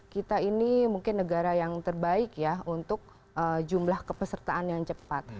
kita ini mungkin negara yang terbaik ya untuk jumlah kepesertaan yang cepat